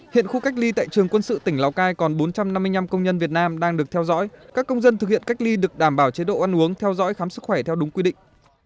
hiện khu cách ly tại trường quân sự tỉnh lào cai còn bốn trăm năm mươi năm công nhân việt nam đang được theo dõi các công dân thực hiện cách ly được đảm bảo chế độ ăn uống theo dõi khám sức khỏe theo đúng quy định